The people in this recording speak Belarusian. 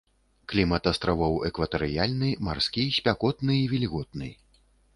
Клімат астравоў экватарыяльны марскі, спякотны і вільготны.